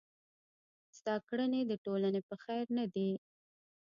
ستا کړني د ټولني په خير نه دي.